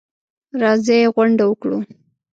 راځئ غونډه وکړو.